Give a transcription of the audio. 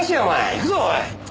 行くぞおい！